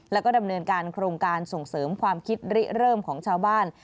แล้วก็ดำเนินการโครงการส่งเสริมความคิดริเริ่มของชาวบ้าน